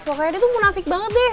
pokoknya dia tuh munafik banget deh